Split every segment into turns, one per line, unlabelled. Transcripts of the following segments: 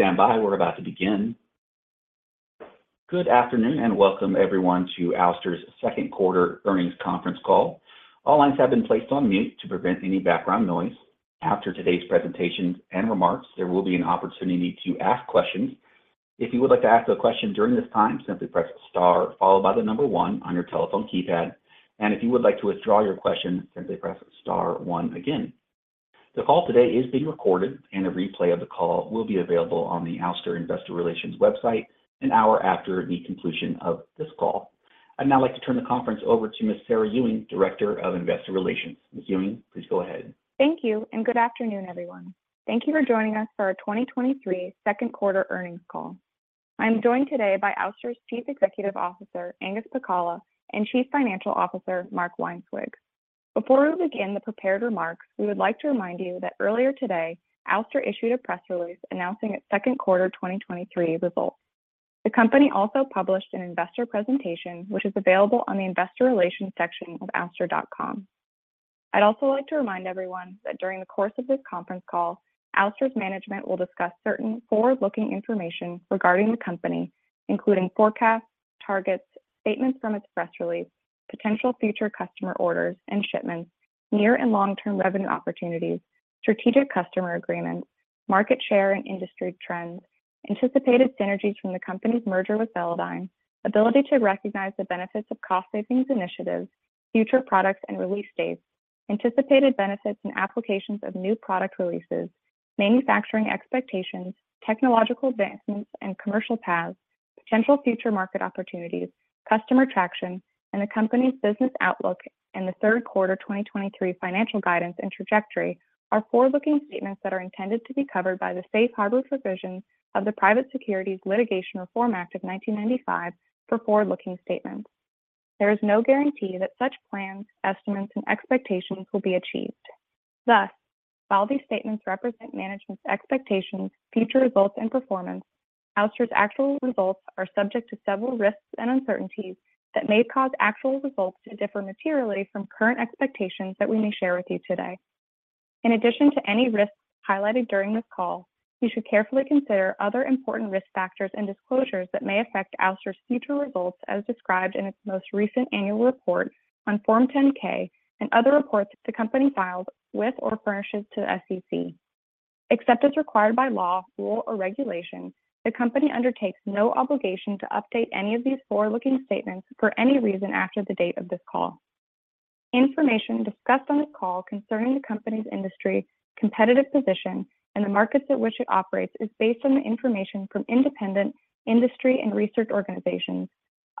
Please stand by, we're about to begin. Good afternoon, and Welcome everyone to Ouster's Second Quarter Earnings Conference Call. All lines have been placed on mute to prevent any background noise. After today's presentations and remarks, there will be an opportunity to ask questions. If you would like to ask a question during this time, simply press star followed by the number one on your telephone keypad. If you would like to withdraw your question, simply press star one again. The call today is being recorded, and a replay of the call will be available on the Ouster investor relations website an hour after the conclusion of this call. I'd now like to turn the conference over to Ms. Sarah Ewing, Director of Investor Relations. Ms. Ewing, please go ahead.
Thank you, and good afternoon, everyone. Thank you for joining us for Our 2023 Second Quarter Earnings Call. I'm joined today by Ouster's Chief Executive Officer, Angus Pacala, and Chief Financial Officer, Mark Weinswig. Before we begin the prepared remarks, we would like to remind you that earlier today, Ouster issued a press release announcing its second quarter 2023 results. The company also published an investor presentation, which is available on the investor relations section of ouster.com. I'd also like to remind everyone that during the course of this conference call, Ouster's management will discuss certain forward-looking information regarding the company, including forecasts, targets, statements from its press release, potential future customer orders and shipments, near and long-term revenue opportunities, strategic customer agreements, market share and industry trends, anticipated synergies from the company's merger with Velodyne, ability to recognize the benefits of cost savings initiatives, future products and release dates, anticipated benefits and applications of new product releases, manufacturing expectations, technological advancements and commercial paths, potential future market opportunities, customer traction, and the company's business outlook, and the third quarter 2023 financial guidance and trajectory are forward-looking statements that are intended to be covered by the safe harbor provisions of the Private Securities Litigation Reform Act of 1995 for forward-looking statements. There is no guarantee that such plans, estimates, and expectations will be achieved. Thus, while these statements represent management's expectations, future results and performance, Ouster's actual results are subject to several risks and uncertainties that may cause actual results to differ materially from current expectations that we may share with you today. In addition to any risks highlighted during this call, you should carefully consider other important risk factors and disclosures that may affect Ouster's future results, as described in its most recent annual report on Form 10-K and other reports the company files with or furnishes to the SEC. Except as required by law, rule, or regulation, the company undertakes no obligation to update any of these forward-looking statements for any reason after the date of this call. Information discussed on this call concerning the company's industry, competitive position, and the markets at which it operates is based on the information from independent industry and research organizations,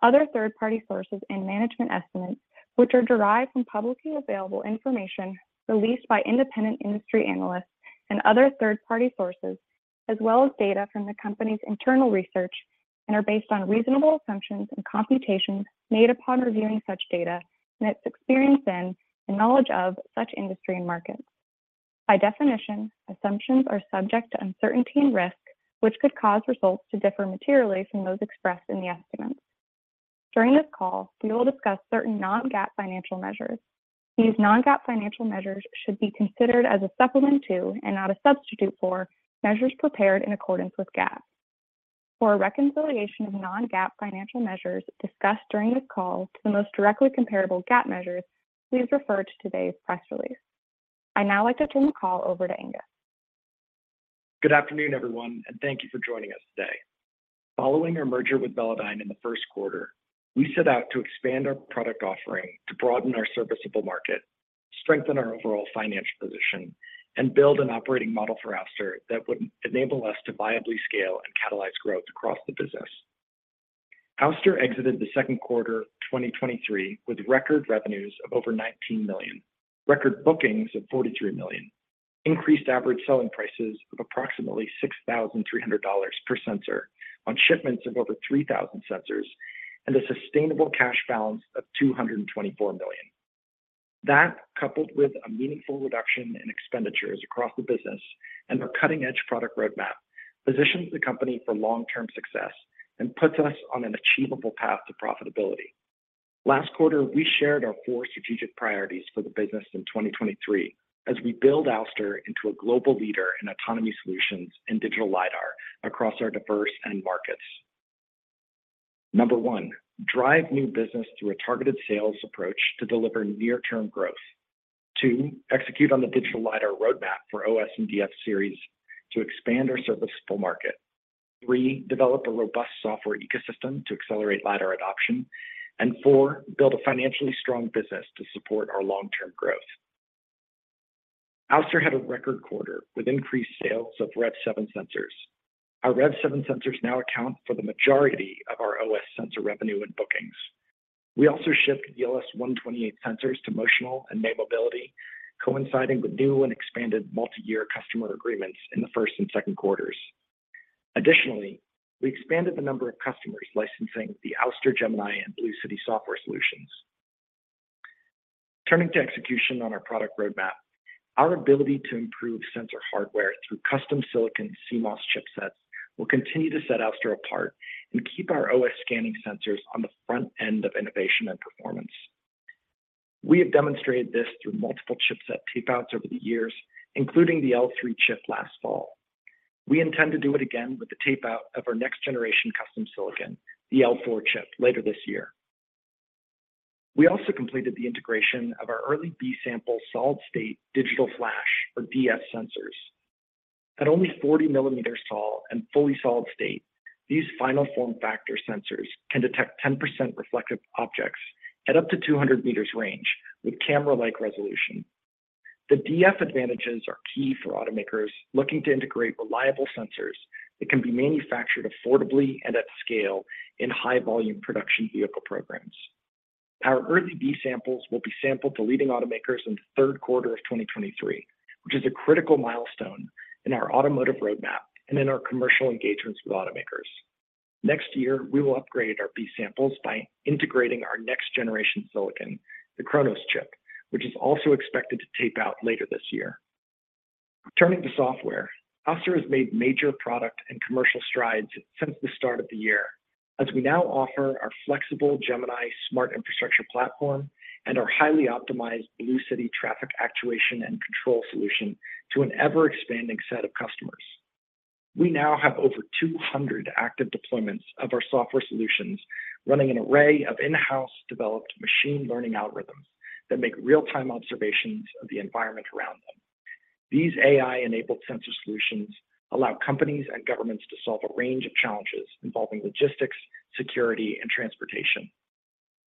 other third-party sources and management estimates, which are derived from publicly available information released by independent industry analysts and other third-party sources, as well as data from the company's internal research and are based on reasonable assumptions and computations made upon reviewing such data and its experience in and knowledge of such industry and markets. By definition, assumptions are subject to uncertainty and risk, which could cause results to differ materially from those expressed in the estimates. During this call, we will discuss certain non-GAAP financial measures. These non-GAAP financial measures should be considered as a supplement to, and not a substitute for, measures prepared in accordance with GAAP. For a reconciliation of non-GAAP financial measures discussed during this call to the most directly comparable GAAP measures, please refer to today's press release. I'd now like to turn the call over to Angus.
Good afternoon, everyone, and thank you for joining us today. Following our merger with Velodyne in the first quarter, we set out to expand our product offering to broaden our serviceable market, strengthen our overall financial position, and build an operating model for Ouster that would enable us to viably scale and catalyze growth across the business. Ouster exited the second quarter of 2023 with record revenues of over $19 million, record bookings of $43 million, increased average selling prices of approximately $6,300 per sensor on shipments of over 3,000 sensors, and a sustainable cash balance of $224 million. That, coupled with a meaningful reduction in expenditures across the business and our cutting-edge product roadmap, positions the company for long-term success and puts us on an achievable path to profitability. Last quarter, we shared our four strategic priorities for the business in 2023 as we build Ouster into a global leader in autonomy solutions and digital lidar across our diverse end markets. Number one, drive new business through a targeted sales approach to deliver near-term growth. Two, execute on the digital lidar roadmap for OS and DF series to expand our serviceable market. three, develop a robust software ecosystem to accelerate lidar adoption. And four, build a financially strong business to support our long-term growth. Ouster had a record quarter with increased sales of REV7 sensors. Our REV7 sensors now account for the majority of our OS sensor revenue and bookings. We also shipped LS-128 sensors to Motional and May Mobility, coinciding with new and expanded multi-year customer agreements in the first and second quarters. Additionally, we expanded the number of customers licensing the Ouster Gemini and BlueCity software solutions. Turning to execution on our product roadmap, our ability to improve sensor hardware through custom silicon CMOS chipsets will continue to set Ouster apart and keep our OS scanning sensors on the front end of innovation and performance. We have demonstrated this through multiple chipset tape outs over the years, including the L3 chip last fall. We intend to do it again with the tape out of our next generation custom silicon, the L4 chip, later this year. We also completed the integration of our early B sample solid-state Digital Flash, or DF sensors. At only 40 millimeters tall and fully solid-state, these final form factor sensors can detect 10% reflective objects at up to 200 meters range with camera-like resolution. The DF advantages are key for automakers looking to integrate reliable sensors that can be manufactured affordably and at scale in high volume production vehicle programs. Our early B samples will be sampled to leading automakers in the third quarter of 2023, which is a critical milestone in our Automotive roadmap and in our commercial engagements with automakers. Next year, we will upgrade our B samples by integrating our next generation silicon, the Chronos chip, which is also expected to tape out later this year. Turning to software, Ouster has made major product and commercial strides since the start of the year, as we now offer our flexible Gemini Smart Infrastructure platform and our highly optimized BlueCity traffic actuation and control solution to an ever-expanding set of customers. We now have over 200 active deployments of our software solutions, running an array of in-house developed machine learning algorithms that make real-time observations of the environment around them. These AI-enabled sensor solutions allow companies and governments to solve a range of challenges involving logistics, security, and transportation.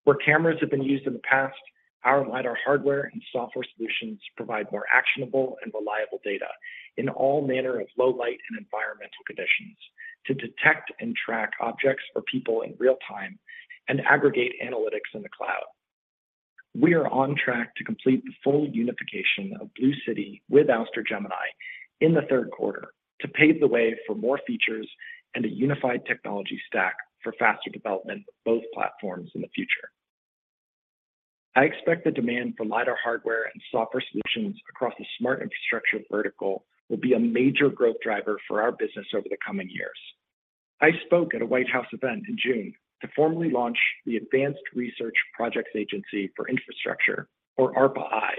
Where cameras have been used in the past, our lidar hardware and software solutions provide more actionable and reliable data in all manner of low light and environmental conditions, to detect and track objects or people in real time and aggregate analytics in the cloud. We are on track to complete the full unification of BlueCity with Ouster Gemini in the third quarter to pave the way for more features and a unified technology stack for faster development of both platforms in the future. I expect the demand for lidar hardware and software solutions across the Smart Infrastructure vertical will be a major growth driver for our business over the coming years. I spoke at a White House event in June to formally launch the Advanced Research Projects Agency for Infrastructure, or ARPA-I,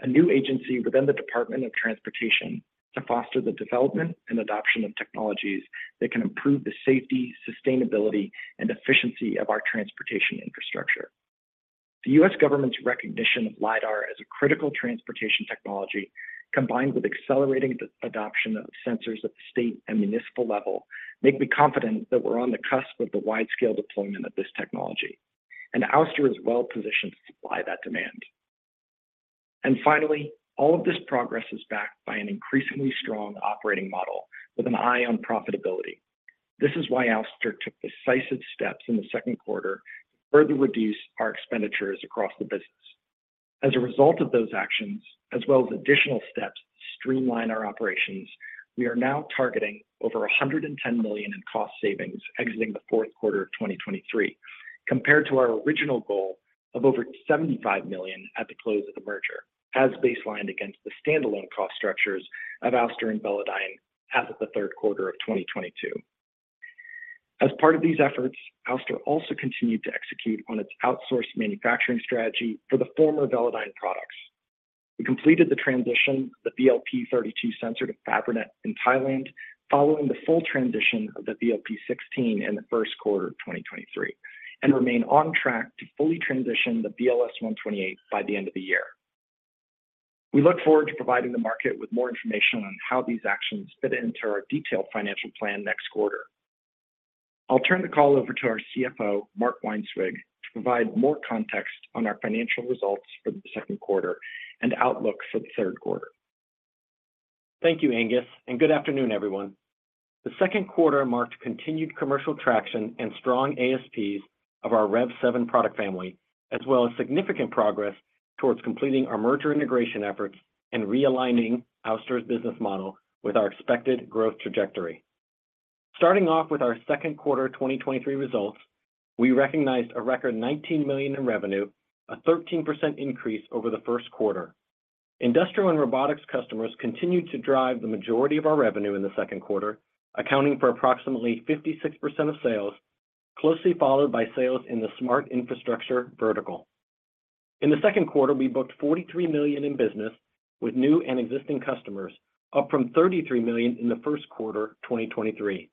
a new agency within the Department of Transportation, to foster the development and adoption of technologies that can improve the safety, sustainability, and efficiency of our transportation infrastructure. The U.S. government's recognition of lidar as a critical transportation technology, combined with accelerating the adoption of sensors at the state and municipal level, make me confident that we're on the cusp of the wide-scale deployment of this technology, and Ouster is well positioned to supply that demand. Finally, all of this progress is backed by an increasingly strong operating model with an eye on profitability. This is why Ouster took decisive steps in the second quarter to further reduce our expenditures across the business. As a result of those actions, as well as additional steps to streamline our operations, we are now targeting over $110 million in cost savings exiting the fourth quarter of 2023, compared to our original goal of over $75 million at the close of the merger, as baselined against the standalone cost structures of Ouster and Velodyne as of the third quarter of 2022. As part of these efforts, Ouster also continued to execute on its outsourced manufacturing strategy for the former Velodyne products. We completed the transition of the VLP-32 sensor to Fabrinet in Thailand, following the full transition of the VLP-16 in the first quarter of 2023, and remain on track to fully transition the VLS-128 by the end of the year. We look forward to providing the market with more information on how these actions fit into our detailed financial plan next quarter. I'll turn the call over to our CFO, Mark Weinswig, to provide more context on our financial results for the second quarter and outlook for the third quarter.
Thank you, Angus, and good afternoon, everyone. The second quarter marked continued commercial traction and strong ASPs of our REV7 product family, as well as significant progress towards completing our merger integration efforts and realigning Ouster's business model with our expected growth trajectory. Starting off with our second quarter 2023 results, we recognized a record $19 million in revenue, a 13% increase over the first quarter. Industrial and Robotics customers continued to drive the majority of our revenue in the second quarter, accounting for approximately 56% of sales, closely followed by sales in the Smart Infrastructure vertical. In the second quarter, we booked $43 million in business with new and existing customers, up from $33 million in the first quarter 2023.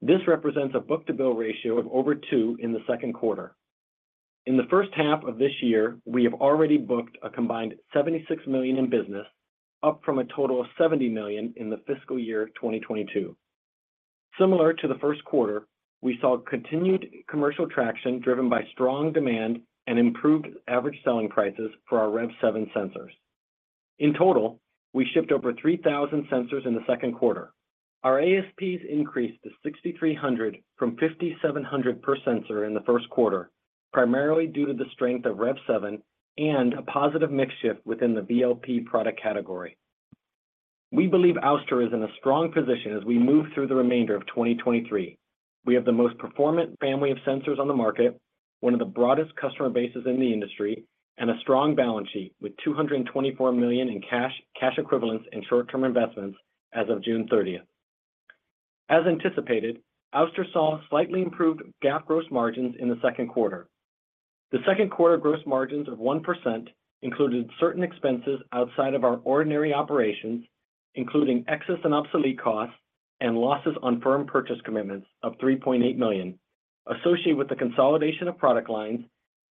This represents a book-to-bill ratio of over 2 in the second quarter. In the 1st half of this year, we have already booked a combined $76 million in business, up from a total of $70 million in the fiscal year 2022. Similar to the first quarter, we saw continued commercial traction, driven by strong demand and improved average selling prices for our REV7 sensors. In total, we shipped over 3,000 sensors in the second quarter. Our ASPs increased to $6,300 from $5,700 per sensor in the first quarter, primarily due to the strength of REV7 and a positive mix shift within the VLP product category. We believe Ouster is in a strong position as we move through the remainder of 2023. We have the most performant family of sensors on the market, one of the broadest customer bases in the industry, and a strong balance sheet with $224 million in cash, cash equivalents and short-term investments as of June 30th. As anticipated, Ouster saw slightly improved GAAP gross margins in the second quarter. The second quarter gross margins of 1% included certain expenses outside of our ordinary operations, including excess and obsolete costs and losses on firm purchase commitments of $3.8 million, associated with the consolidation of product lines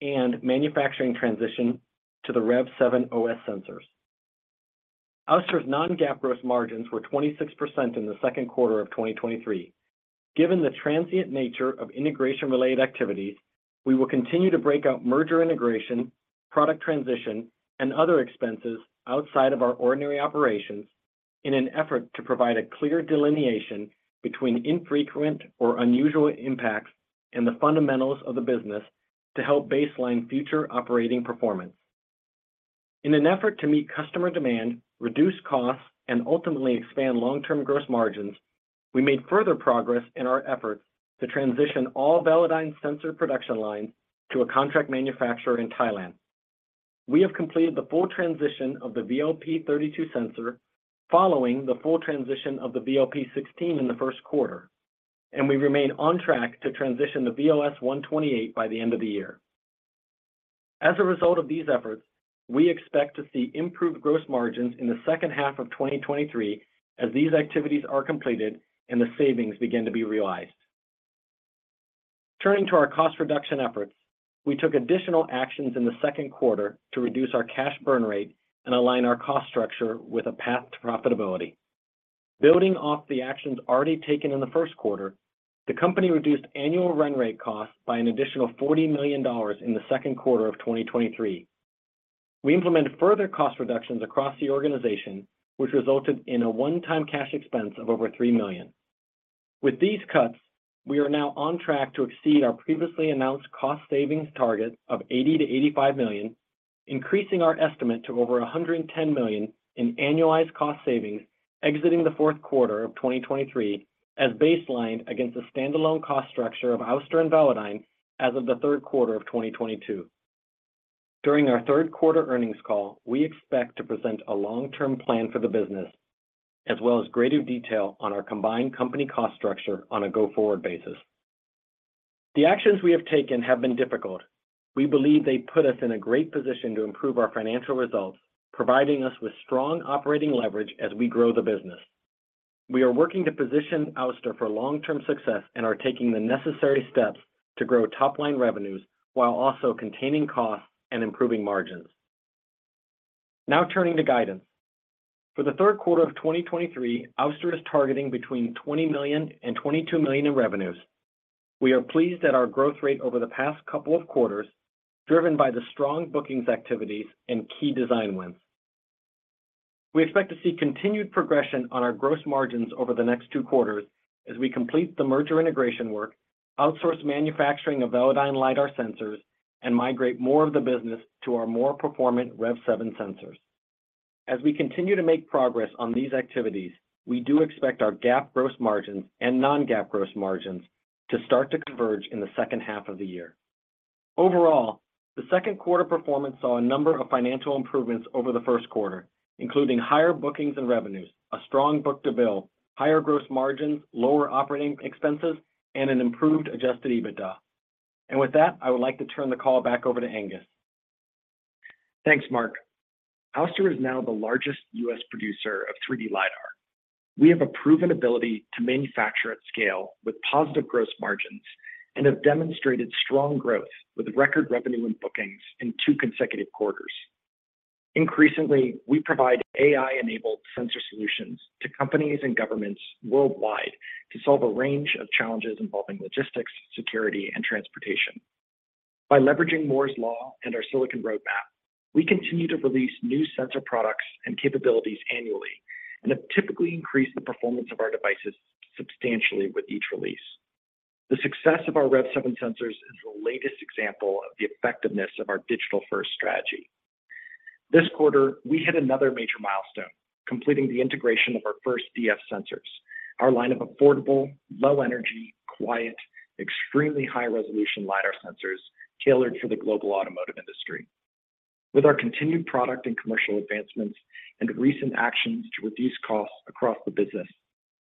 and manufacturing transition to the REV7 OS sensors. Ouster's non-GAAP gross margins were 26% in the second quarter of 2023. Given the transient nature of integration-related activities, we will continue to break out merger integration, product transition, and other expenses outside of our ordinary operations in an effort to provide a clear delineation between infrequent or unusual impacts and the fundamentals of the business to help baseline future operating performance. In an effort to meet customer demand, reduce costs, and ultimately expand long-term gross margins, we made further progress in our efforts to transition all Velodyne sensor production lines to a contract manufacturer in Thailand. We have completed the full transition of the VLP-32 sensor, following the full transition of the VLP-16 in the first quarter, and we remain on track to transition the VLS-128 by the end of the year. As a result of these efforts, we expect to see improved gross margins in the second half of 2023 as these activities are completed and the savings begin to be realized. Turning to our cost reduction efforts, we took additional actions in the second quarter to reduce our cash burn rate and align our cost structure with a path to profitability. Building off the actions already taken in the first quarter, the company reduced annual run rate costs by an additional $40 million in the second quarter of 2023. We implemented further cost reductions across the organization, which resulted in a one-time cash expense of over $3 million. With these cuts, we are now on track to exceed our previously announced cost savings target of $80 million-$85 million, increasing our estimate to over $110 million in annualized cost savings, exiting the fourth quarter of 2023 as baselined against the standalone cost structure of Ouster and Velodyne as of the third quarter of 2022. During our third quarter earnings call, we expect to present a long-term plan for the business, as well as greater detail on our combined company cost structure on a go-forward basis. The actions we have taken have been difficult. We believe they put us in a great position to improve our financial results, providing us with strong operating leverage as we grow the business. We are working to position Ouster for long-term success and are taking the necessary steps to grow top-line revenues while also containing costs and improving margins. Now, turning to guidance. For the third quarter of 2023, Ouster is targeting between $20 million and $22 million in revenues. We are pleased at our growth rate over the past couple of quarters, driven by the strong bookings activities and key design wins. We expect to see continued progression on our gross margins over the next two quarters as we complete the merger integration work, outsource manufacturing of Velodyne LiDAR sensors, and migrate more of the business to our more performant REV7 sensors. As we continue to make progress on these activities, we do expect our GAAP gross margins and non-GAAP gross margins to start to converge in the second half of the year. Overall, the second quarter performance saw a number of financial improvements over the first quarter, including higher bookings and revenues, a strong book-to-bill, higher gross margins, lower operating expenses, and an improved adjusted EBITDA. With that, I would like to turn the call back over to Angus.
Thanks, Mark. Ouster is now the largest U.S. producer of 3D lidar. We have a proven ability to manufacture at scale with positive gross margins and have demonstrated strong growth with record revenue and bookings in two consecutive quarters. Increasingly, we provide AI-enabled sensor solutions to companies and governments worldwide to solve a range of challenges involving logistics, security, and transportation. By leveraging Moore's Law and our silicon roadmap, we continue to release new sensor products and capabilities annually and have typically increased the performance of our devices substantially with each release. The success of our REV7 sensors is the latest example of the effectiveness of our digital-first strategy. This quarter, we hit another major milestone, completing the integration of our first DF sensors, our line of affordable, low-energy, quiet, extremely high-resolution LiDAR sensors tailored for the global Automotive industry. With our continued product and commercial advancements and recent actions to reduce costs across the business,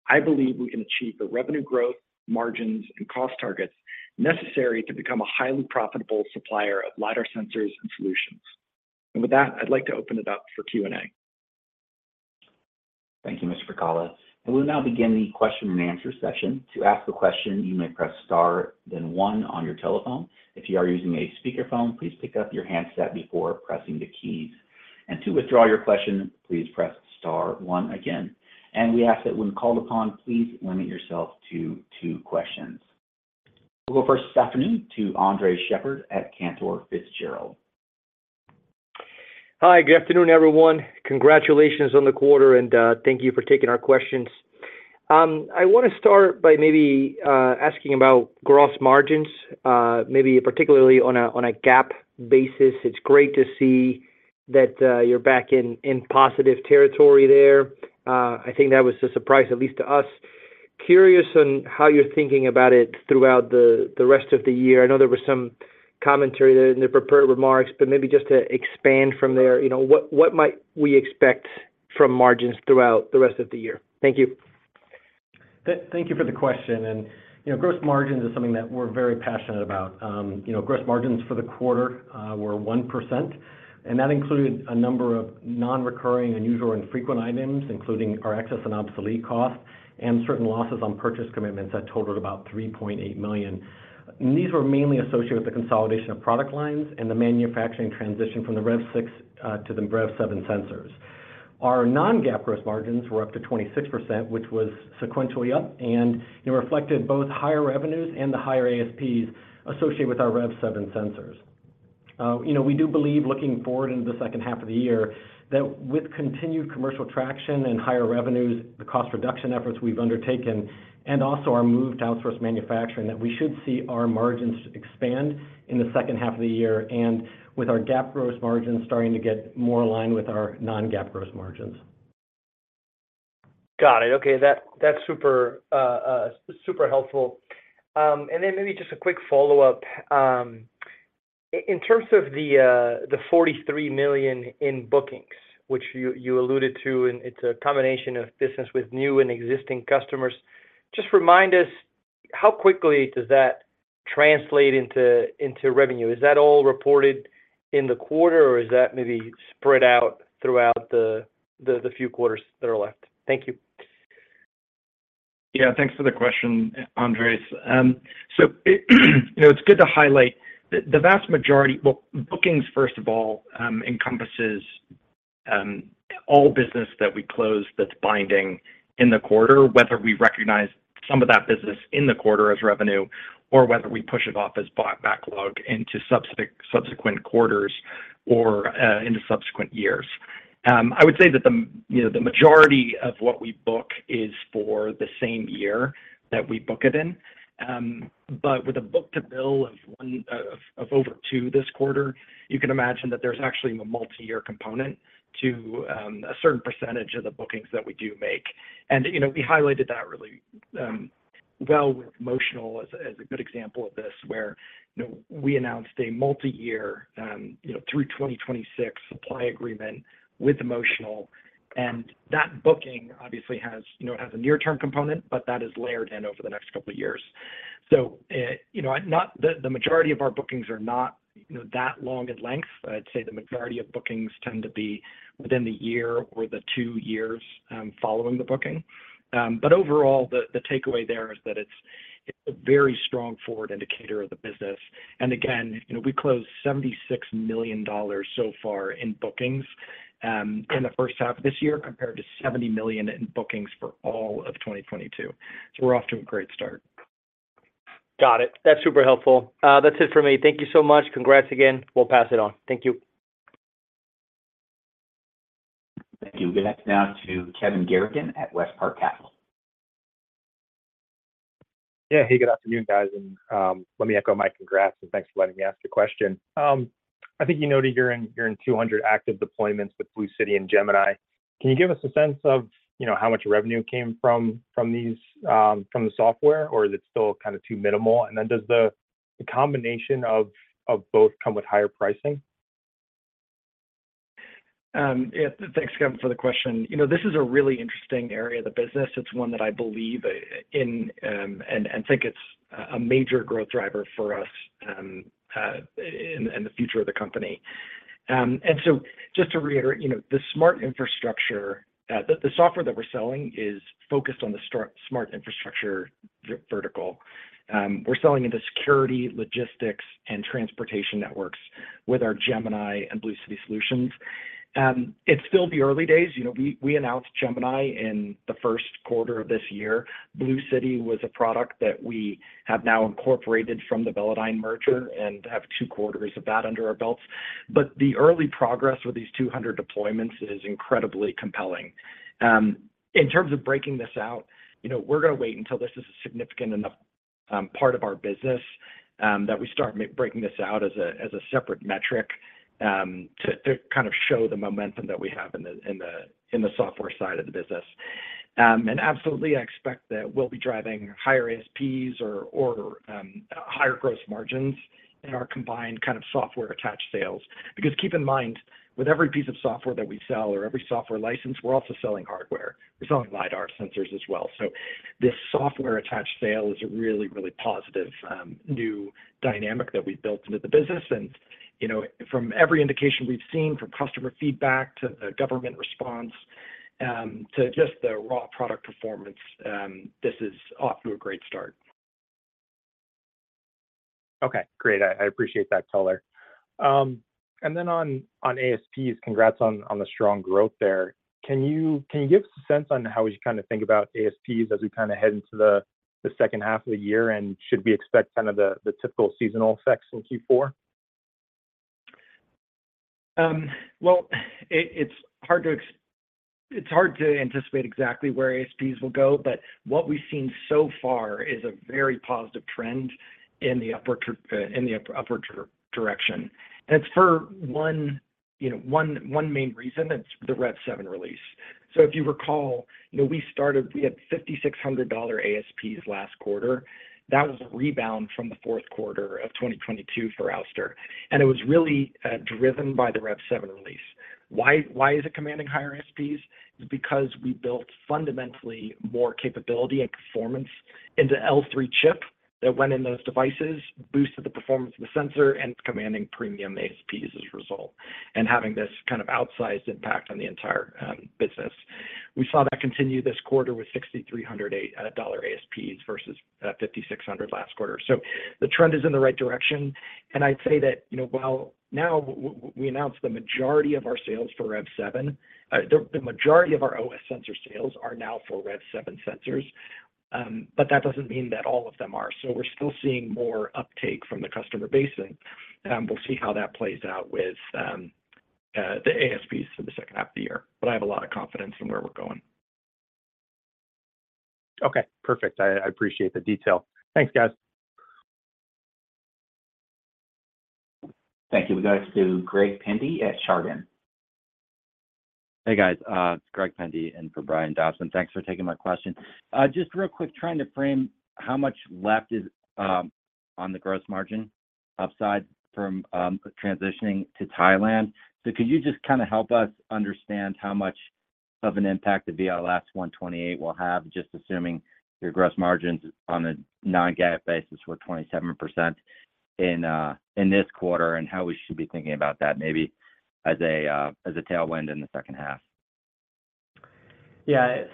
I believe we can achieve the revenue growth, margins, and cost targets necessary to become a highly profitable supplier of LiDAR sensors and solutions. With that, I'd like to open it up for Q&A.
Thank you, Mr. Pacala. We'll now begin the question and answer session. To ask a question, you may press star, then one on your telephone. If you are using a speakerphone, please pick up your handset before pressing the keys. To withdraw your question, please press star one again. We ask that when called upon, please limit yourself to two questions. We'll go first, Stephanie, to Andres Sheppard at Cantor Fitzgerald.
Hi, good afternoon, everyone. Congratulations on the quarter. Thank you for taking our questions. I want to start by maybe asking about gross margins, maybe particularly on a GAAP basis. It's great to see that you're back in positive territory there. I think that was a surprise, at least to us. Curious on how you're thinking about it throughout the rest of the year. I know there were.... commentary in the prepared remarks, but maybe just to expand from there, you know, what, what might we expect from margins throughout the rest of the year? Thank you.
Thank you for the question, and, you know, gross margins is something that we're very passionate about. You know, gross margins for the quarter were 1%, and that included a number of non-recurring, unusual, and frequent items, including our excess and obsolete costs and certain losses on purchase commitments that totaled about $3.8 million. These were mainly associated with the consolidation of product lines and the manufacturing transition from the REV6 to the REV7 sensors. Our non-GAAP gross margins were up to 26%, which was sequentially up and reflected both higher revenues and the higher ASPs associated with our REV7 sensors. You know, we do believe, looking forward into the second half of the year, that with continued commercial traction and higher revenues, the cost reduction efforts we've undertaken, and also our move to outsource manufacturing, that we should see our margins expand in the second half of the year, and with our GAAP gross margin starting to get more in line with our non-GAAP gross margins.
Got it. Okay, that, that's super, super helpful. Then maybe just a quick follow-up. In terms of the, the $43 million in bookings, which you, you alluded to, and it's a combination of business with new and existing customers, just remind us, how quickly does that translate into, into revenue? Is that all reported in the quarter, or is that maybe spread out throughout the, the, the few quarters that are left? Thank you.
Yeah, thanks for the question, Andres. It, you know, it's good to highlight the, the vast majority... Well, bookings, first of all, encompasses all business that we close that's binding in the quarter, whether we recognize some of that business in the quarter as revenue or whether we push it off as backlog into subsequent quarters or into subsequent years. I would say that the, you know, the majority of what we book is for the same year that we book it in. With a book-to-bill of 1, of over 2 this quarter, you can imagine that there's actually a multi-year component to a certain % of the bookings that we do make. You know, we highlighted that really well with Motional as a good example of this, where, you know, we announced a multi-year, you know, through 2026 supply agreement with Motional, and that booking obviously has, you know, has a near-term component, but that is layered in over the next couple of years. You know, not -- the majority of our bookings are not, you know, that long in length. I'd say the majority of bookings tend to be within the year or the two years following the booking. Overall, the takeaway there is that it's a very strong forward indicator of the business. Again, you know, we closed $76 million so far in bookings in the first half of this year, compared to $70 million in bookings for all of 2022. We're off to a great start.
Got it. That's super helpful. That's it for me. Thank you so much. Congrats again. We'll pass it on. Thank you.
Thank you. We'll get back now to Kevin Garrigan at WestPark Capital.
Yeah. Hey, good afternoon, guys, and, let me echo my congrats, and thanks for letting me ask a question. I think you noted you're in, you're in 200 active deployments with BlueCity and Gemini. Can you give us a sense of, you know, how much revenue came from, from these, from the software, or is it still kind of too minimal? Does the, the combination of, of both come with higher pricing?
Yeah, thanks, Kevin, for the question. You know, this is a really interesting area of the business. It's one that I believe in, and, and think it's a, a major growth driver for us in, in the future of the company. Just to reiterate, you know, the Smart Infrastructure, the software that we're selling is focused on the Smart Infrastructure vertical. We're selling into security, logistics, and transportation networks with our Gemini and BlueCity solutions. It's still the early days. You know, we, we announced Gemini in the first quarter of this year. BlueCity was a product that we have now incorporated from the Velodyne merger and have two quarters of that under our belts. The early progress with these 200 deployments is incredibly compelling. In terms of breaking this out, you know, we're gonna wait until this is a significant enough part of our business that we start breaking this out as a separate metric to kind of show the momentum that we have in the software side of the business. Absolutely, I expect that we'll be driving higher ASPs or higher gross margins in our combined kind of software-attached sales. Because keep in mind, with every piece of software that we sell or every software license, we're also selling hardware. We're selling LiDAR sensors as well. This software-attached sale is a really, really positive, new dynamic that we've built into the business, and, you know, from every indication we've seen, from customer feedback to the government response, to just the raw product performance, this is off to a great start.
Okay, great. I, I appreciate that color. On, on ASPs, congrats on, on the strong growth there. Can you, can you give us a sense on how we should kind of think about ASPs as we kind of head into the, the second half of the year, and should we expect kind of the, the typical seasonal effects in Q4?
Well, it's hard to anticipate exactly where ASPs will go, but what we've seen so far is a very positive trend in the upward direction. It's for one, you know, one, one main reason, it's the REV7 release. If you recall, you know, we started, we had $5,600 ASPs last quarter. That was a rebound from the fourth quarter of 2022 for Ouster, and it was really driven by the REV7 release. Why is it commanding higher ASPs? It's because we built fundamentally more capability and performance into L3 chip that went in those devices, boosted the performance of the sensor, and it's commanding premium ASPs as a result, and having this kind of outsized impact on the entire business. We saw that continue this quarter with $6,308 ASPs vs $5,600 last quarter. The trend is in the right direction, and I'd say that, you know, while now we announced the majority of our sales for REV7, the majority of our OS sensor sales are now for REV7 sensors, but that doesn't mean that all of them are. We're still seeing more uptake from the customer base, and we'll see how that plays out with the ASPs for the second half of the year. I have a lot of confidence in where we're going.
Okay, perfect. I, I appreciate the detail. Thanks, guys.
Thank you. We go next to Greg Pendy at Chardan.
Hey, guys. It's Greg Pendy, in for Brian Dobson. Thanks for taking my question. Just real quick, trying to frame how much left is on the gross margin upside from transitioning to Thailand. Could you just kind of help us understand how much of an impact the VLS-128 will have, just assuming your gross margins on a non-GAAP basis were 27% in this quarter, and how we should be thinking about that maybe as a tailwind in the second half?
Yeah.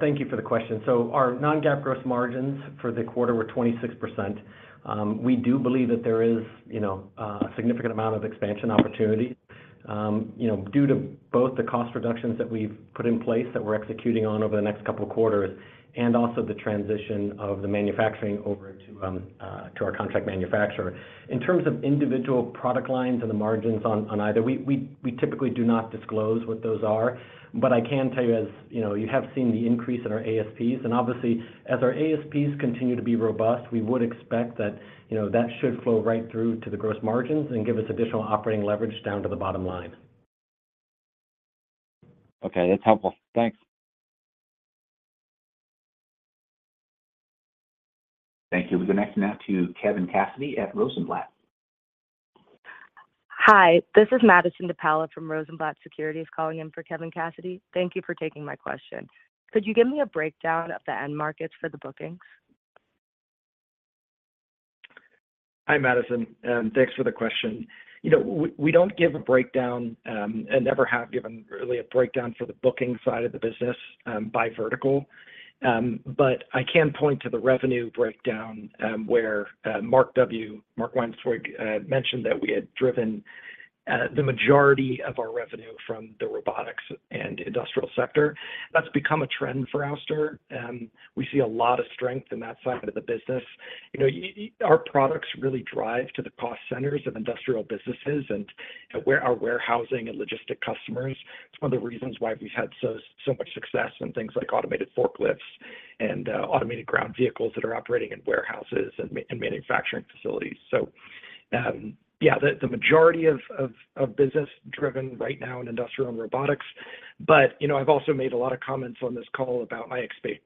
Thank you for the question. Our non-GAAP gross margins for the quarter were 26%. We do believe that there is, you know, a significant amount of expansion opportunity, you know, due to both the cost reductions that we've put in place, that we're executing on over the next couple of quarters, and also the transition of the manufacturing over to to our contract manufacturer. In terms of individual product lines and the margins on, on either, we, we, we typically do not disclose what those are. I can tell you, as you know, you have seen the increase in our ASPs, and obviously, as our ASPs continue to be robust, we would expect that, you know, that should flow right through to the gross margins and give us additional operating leverage down to the bottom line.
Okay, that's helpful. Thanks.
Thank you. We go next now to Kevin Cassidy at Rosenblatt.
Hi, this is Madis De Paola from Rosenblatt Securities, calling in for Kevin Cassidy. Thank you for taking my question. Could you give me a breakdown of the end markets for the bookings?
Hi, Madison, and thanks for the question. You know, w-we don't give a breakdown, and never have given really a breakdown for the booking side of the business, by vertical. I can point to the revenue breakdown, where Mark W., Mark Weinswig, mentioned that we had driven the majority of our revenue from the Robotics and Industrial sector. That's become a trend for Ouster, and we see a lot of strength in that side of the business. You know, y- our products really drive to the cost centers of Industrial businesses and to where our warehousing and logistic customers. It's one of the reasons why we've had so, so much success in things like automated forklifts and automated ground vehicles that are operating in warehouses and m- and manufacturing facilities. Yeah, the, the majority of, of, of business driven right now in Industrial and Robotics, but, you know, I've also made a lot of comments on this call about my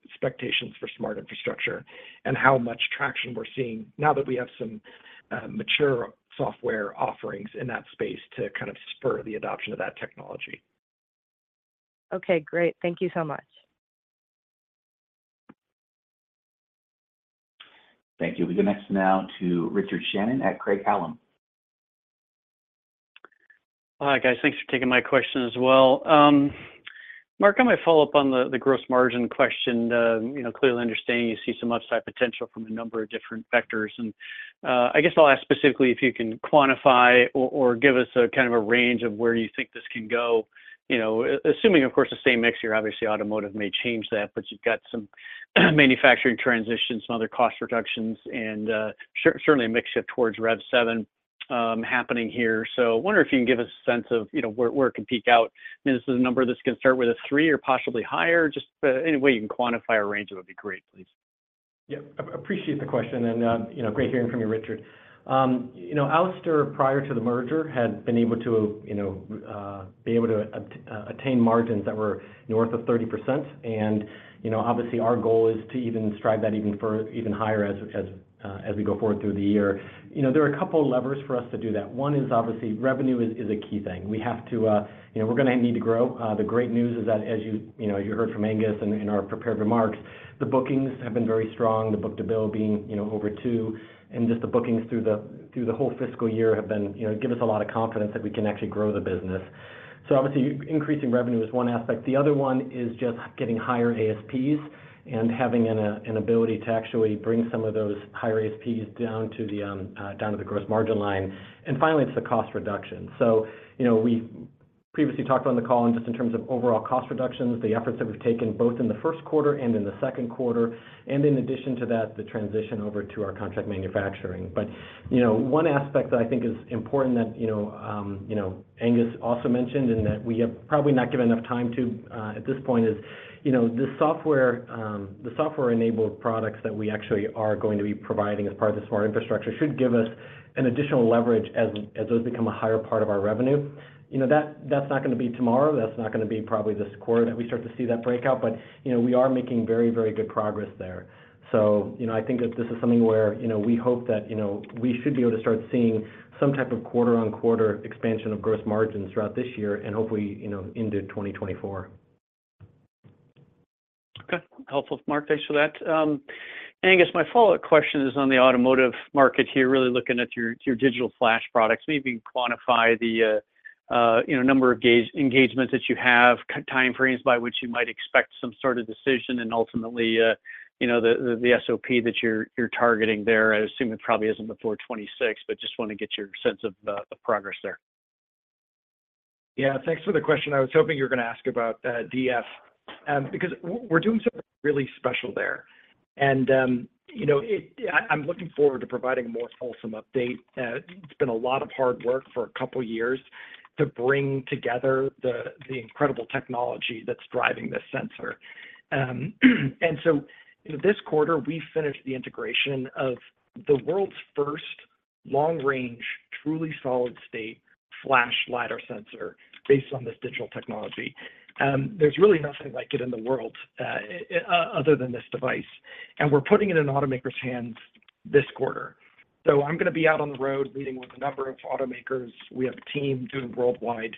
expectations for Smart Infrastructure and how much traction we're seeing now that we have some mature software offerings in that space to kind of spur the adoption of that technology.
Okay, great. Thank you so much.
Thank you. We go next now to Richard Shannon at Craig-Hallum.
Hi, guys. Thanks for taking my question as well. Mark, I might follow up on the, the gross margin question. You know, clearly understanding you see some upside potential from a number of different vectors, and, I guess I'll ask specifically if you can quantify or, or give us a kind of a range of where you think this can go. You know, assuming, of course, the same mix here, obviously, Automotive may change that, but you've got some manufacturing transitions and other cost reductions, and, certainly a mix shift towards REV7, happening here. I wonder if you can give us a sense of, you know, where, where it can peak out. I mean, is the number of this can start with a three or possibly higher? Just, any way you can quantify a range, it would be great, please.
Appreciate the question, and, you know, great hearing from you, Richard. You know, Ouster, prior to the merger, had been able to, you know, be able to attain margins that were north of 30%. You know, obviously, our goal is to even strive that even higher as, as, as we go forward through the year. You know, there are a couple of levers for us to do that. One is obviously, revenue is, is a key thing. We have to. You know, we're gonna need to grow. The great news is that as you, you know, as you heard from Angus in, in our prepared remarks, the bookings have been very strong, the book-to-bill being, you know, over 2, and just the bookings through the, through the whole fiscal year have been, you know, give us a lot of confidence that we can actually grow the business. Obviously, increasing revenue is one aspect. The other one is just getting higher ASPs and having an ability to actually bring some of those higher ASPs down to the gross margin line. Finally, it's the cost reduction. You know, we previously talked on the call and just in terms of overall cost reductions, the efforts that we've taken, both in the first quarter and in the second quarter, and in addition to that, the transition over to our contract manufacturing. You know, one aspect that I think is important that, you know, you know, Angus also mentioned, and that we have probably not given enough time to at this point, is, you know, the software, the software-enabled products that we actually are going to be providing as part of the Smart Infrastructure should give us an additional leverage as, as those become a higher part of our revenue. You know, that's not gonna be tomorrow. That's not gonna be probably this quarter, we start to see that breakout. You know, we are making very, very good progress there. You know, I think that this is something where, you know, we hope that, you know, we should be able to start seeing some type of quarter-on-quarter expansion of gross margins throughout this year and hopefully, you know, into 2024.
Helpful, Mark, thanks for that. Angus, my follow-up question is on the Automotive market here, really looking at your, your Digital Flash products. Maybe you can quantify the, you know, number of gauge engagements that you have, timeframes by which you might expect some sort of decision, and ultimately, you know, the, the SOP that you're, you're targeting there. I assume it probably isn't before 2026, but just wanna get your sense of the progress there.
Yeah, thanks for the question. I was hoping you were gonna ask about DF, because w-we're doing something really special there. You know, it- I, I'm looking forward to providing a more wholesome update. It's been a lot of hard work for a couple years to bring together the, the incredible technology that's driving this sensor. This quarter, we finished the integration of the world's first long-range, truly solid-state flash LiDAR sensor based on this digital technology. There's really nothing like it in the world, other than this device, and we're putting it in automakers' hands this quarter. I'm gonna be out on the road meeting with a number of automakers. We have a team doing worldwide,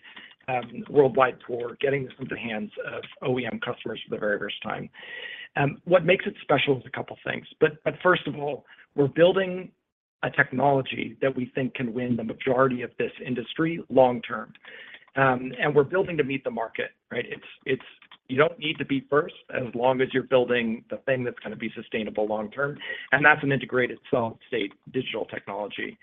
worldwide tour, getting this into the hands of OEM customers for the very first time. What makes it special is a couple things, but first of all, we're building a technology that we think can win the majority of this industry long term. We're building to meet the market, right? It's. You don't need to be first, as long as you're building the thing that's gonna be sustainable long term, and that's an integrated solid-state digital technology.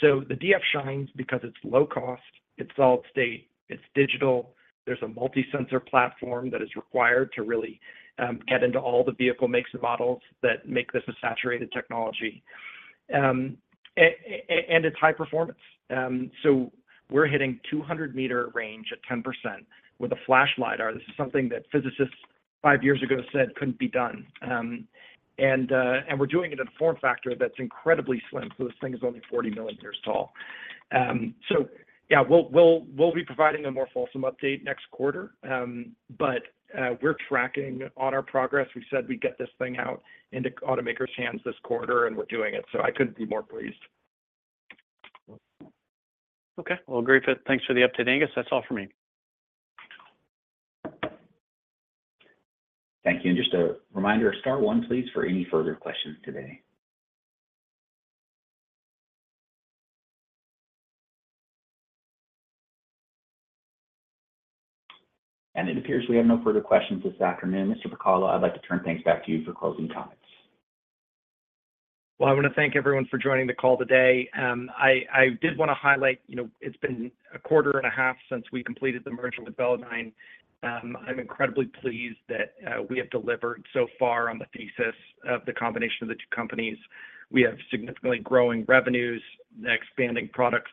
So the DF shines because it's low cost, it's solid-state, it's digital. There's a multi-sensor platform that is required to really get into all the vehicle makes and models that make this a saturated technology. It's high performance. We're hitting 200 meter range at 10% with a flash LiDAR. This is something that physicists five years ago said couldn't be done. We're doing it at a form factor that's incredibly slim, so this thing is only 40 millimeters tall. Yeah, we'll, we'll, we'll be providing a more fulsome update next quarter. We're tracking on our progress. We said we'd get this thing out into automakers' hands this quarter, and we're doing it, so I couldn't be more pleased.
Okay. Well, great. Thanks for the update, Angus. That's all for me.
Thank you. Just a reminder, star one, please, for any further questions today. It appears we have no further questions this afternoon. Mr. Pacala, I'd like to turn things back to you for closing comments.
Well, I wanna thank everyone for joining the call today. I, I did wanna highlight, you know, it's been a quarter and a half since we completed the merger with Velodyne. I'm incredibly pleased that we have delivered so far on the thesis of the combination of the two companies. We have significantly growing revenues and expanding product,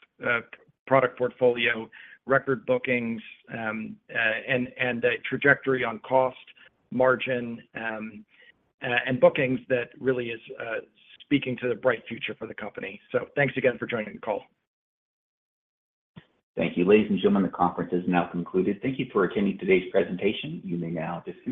product portfolio, record bookings, and, and a trajectory on cost, margin, and bookings that really is speaking to the bright future for the company. Thanks again for joining the call.
Thank you. Ladies and gentlemen, the conference is now concluded. Thank you for attending today's presentation. You may now disconnect.